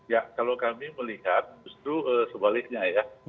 ya kalau kami melihat justru sebaliknya ya